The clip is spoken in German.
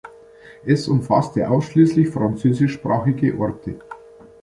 Es umfasste ausschließlich französischsprachige Orte.